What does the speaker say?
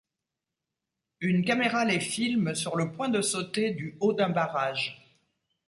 Une caméra les filme sur le point de sauter du haut d'un barrage.